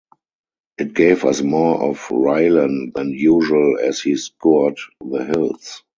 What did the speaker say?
It gave us more of Raylan than usual as he scoured the hills.